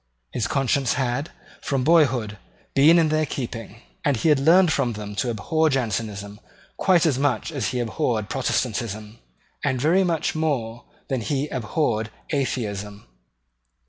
His conscience had, from boyhood, been in their keeping; and he had learned from them to abhor Jansenism quite as much as he abhorred Protestantism, and very much more than he abhorred Atheism.